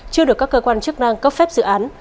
chưa được các cơ quan chức năng cấp phép dự án